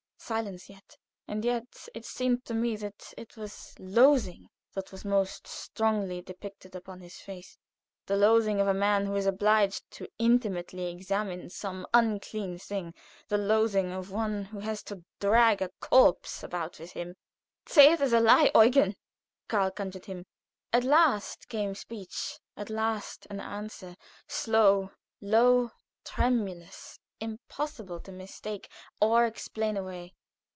Silence yet. And yet it seemed to me that it was loathing that was most strongly depicted upon his face; the loathing of a man who is obliged to intimately examine some unclean thing; the loathing of one who has to drag a corpse about with him. "Say it is a lie, Eugen!" Karl conjured him. At last came speech; at last an answer; slow, low, tremulous, impossible to mistake or explain away.